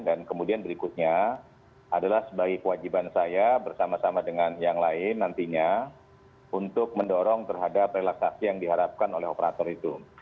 dan kemudian berikutnya adalah sebagai kewajiban saya bersama sama dengan yang lain nantinya untuk mendorong terhadap relaksasi yang diharapkan oleh operator itu